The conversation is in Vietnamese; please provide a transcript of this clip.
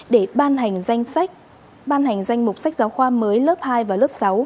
để ban hành danh sách ban hành danh mục sách giáo khoa mới lớp hai và lớp sáu